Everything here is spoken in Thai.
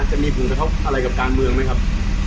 จะมีผลกระทบอะไรกับการเมืองไหมครับ